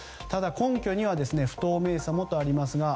ただ、根拠には不透明さもとあります。